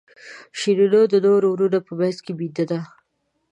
شیرینو د نورو وروڼو په منځ کې بېده ده.